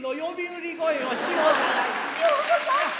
ようござんす。